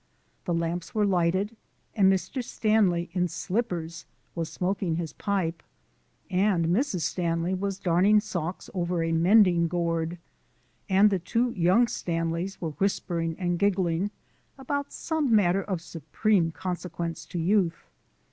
The lamps were lighted, and Mr. Stanley, in slippers, was smoking his pipe and Mrs. Stanley was darning socks over a mending gourd, and the two young Stanleys were whispering and giggling about some matter of supreme consequence to youth.